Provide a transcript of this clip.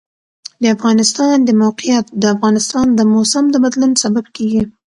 د افغانستان د موقعیت د افغانستان د موسم د بدلون سبب کېږي.